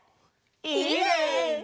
いいね！